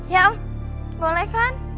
ya om boleh kan